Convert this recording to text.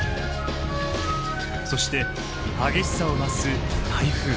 そして激しさを増す台風。